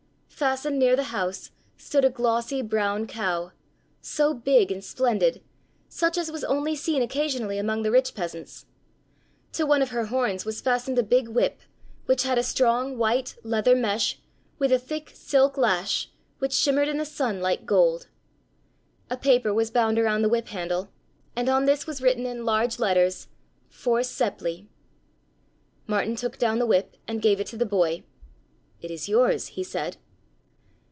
Fastened near the house stood a glossy brown cow, so big and splendid, such as was only seen occasionally among the rich peasants. To one of her horns was fastened a big whip, which had a strong, white, leather mesh with a thick, silk lash which shimmered in the sun like gold! A paper was bound around the whip handle and on this was written in large letters: "For Seppli." Martin took down the whip and gave it to the boy. "It is yours," he said.